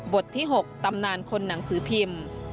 ที่๖ตำนานคนหนังสือพิมพ์